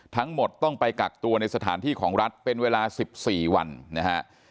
ทั้งหมดต้องไปกักตัวในสถานที่ของรัฐเป็นเวลา๑๔วันนะฮะ